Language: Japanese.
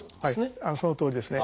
そのとおりですね。